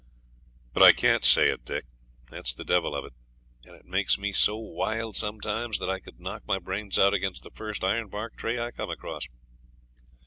But I CAN'T say it, Dick, that's the devil of it, and it makes me so wild sometimes that I could knock my brains out against the first ironbark tree I come across.'